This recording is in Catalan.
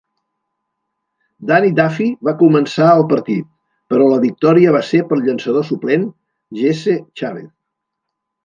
Danny Duffy va començar el partit, però la victòria va ser pel llançador suplent, Jesse Chavez.